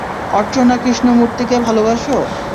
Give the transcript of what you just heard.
অর্চনা কৃষ্ণমুর্তিকে ভালোবাসো?